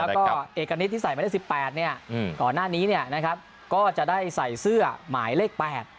แล้วก็เอกณิตที่ใส่ไม่ได้๑๘ก่อนหน้านี้ก็จะได้ใส่เสื้อหมายเลข๘